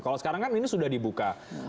kalau sekarang kan ini sudah dibuka